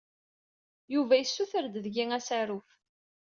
Yuba yessuter-d seg-i asaruf.